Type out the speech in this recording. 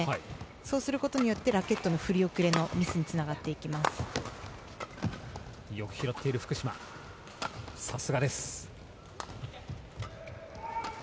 そうすることでラケットの振り遅れのミスにつながります。